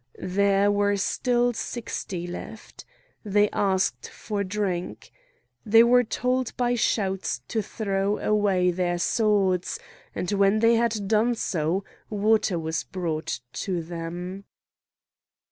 There were still sixty left. They asked for drink. They were told by shouts to throw away their swords, and when they had done so water was brought to them.